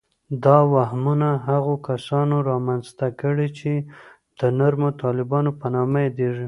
دا وهمونه هغو کسانو رامنځته کړي چې د نرمو طالبانو په نامه یادیږي